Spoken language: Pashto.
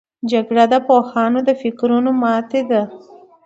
جګړه د پوهانو د فکرونو ماتې ده